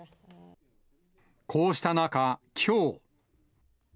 こうした中、きょう。